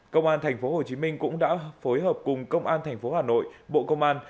công an tp hcm cũng đã phối hợp cùng công an tp hcm bộ công an